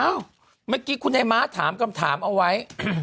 เมื่อกี้คุณไอ้ม้าถามคำถามเอาไว้